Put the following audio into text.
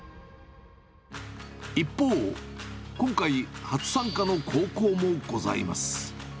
一方、今回、初参加の高校もございます。